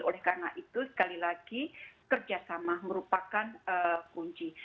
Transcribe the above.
oleh karena itu sekali lagi kerjasama merupakan kunci